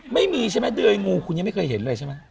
ไม่มีใช่ไหมเดยงูคุณยังไม่เคยเห็นเลยใช่ไหม